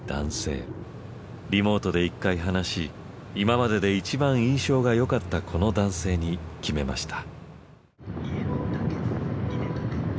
リモートで１回話し今までで一番印象が良かったこの男性に決めました。